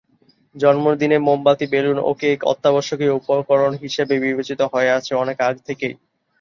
জন্মদিনে মোমবাতি, বেলুন ও কেক অত্যাবশকীয় উপকরণ হিসেবে বিবেচিত হয়ে আসছে অনেক আগ থেকেই।